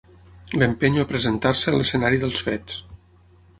L'empenyo a presentar-se a l'escenari dels fets.